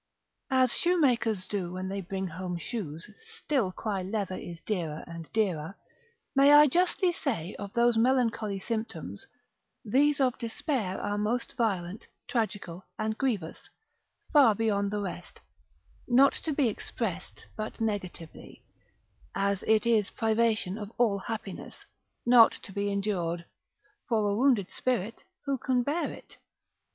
As shoemakers do when they bring home shoes, still cry leather is dearer and dearer, may I justly say of those melancholy symptoms: these of despair are most violent, tragical, and grievous, far beyond the rest, not to be expressed but negatively, as it is privation of all happiness, not to be endured; for a wounded spirit who can bear it?